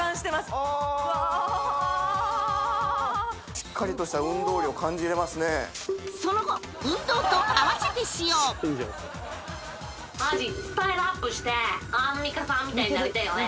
しっかりとした運動量感じれますねその後運動と併せて使用マジスタイルアップしてアンミカさんみたいになりたいよね